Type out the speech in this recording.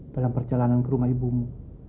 dalam perjalanan ke rumah ibumu